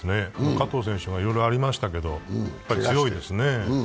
加藤選手がいろいろありましたけど、やっぱり強いですね。